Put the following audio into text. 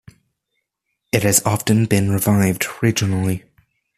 It has often been revived regionally.